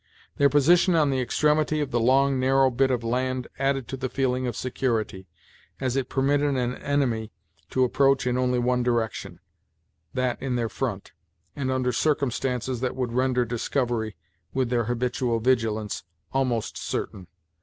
Their position on the extremity of the long, narrow bit of land added to the feeling of security, as it permitted an enemy to approach in only one direction, that in their front, and under circumstances that would render discovery, with their habitual vigilance, almost certain.